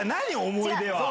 思い出は。